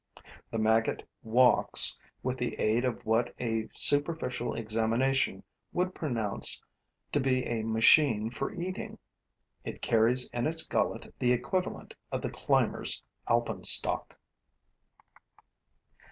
The maggot walks with the aid of what a superficial examination would pronounce to be a machine for eating. It carries in its gullet the equivalent of the climber's alpenstock.